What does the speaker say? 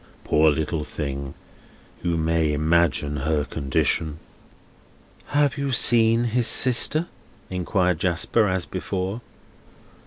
"Poor little thing! You may imagine her condition." "Have you seen his sister?" inquired Jasper, as before.